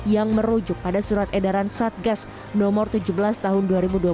yang merujuk pada surat edaran satgas no tujuh belas tahun dua ribu dua puluh